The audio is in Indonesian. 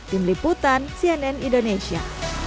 tim liputan cnn indonesia